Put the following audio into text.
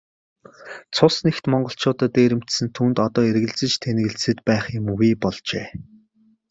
Цус нэгт монголчуудаа дээрэмдсэн түүнд одоо эргэлзэж тээнэгэлзээд байх юмгүй болжээ.